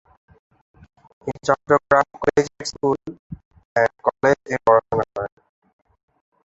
তিনি Chittagong collegiate school and college এ পড়াশোনা করেন।